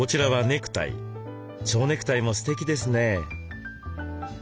蝶ネクタイもすてきですね。